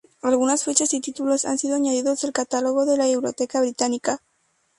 Algunas fechas y títulos han sido añadidos del catálogo de la Biblioteca británica.